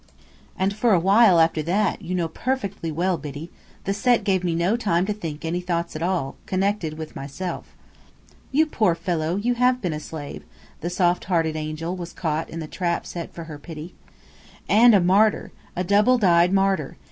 And for a while after that, you know perfectly well, Biddy, the Set gave me no time to think any thoughts at all, connected with myself." "You poor fellow, you have been a slave!" The soft hearted angel was caught in the trap set for her pity. "And a martyr. A double dyed martyr.